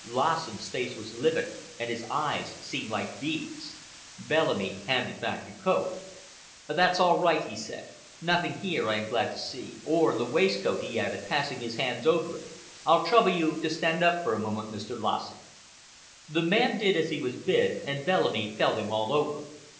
Lassen's face was livid and his eyes seemed like beads. Bellamy handed back the coat. "That's all right," he said. "Nothing there, I am glad to see—or in the waistcoat," he added, passing his hands over it. "I'll trouble you to stand up for a moment, Mr. Lassen." The man did as he was bid and Bellamy felt him all over.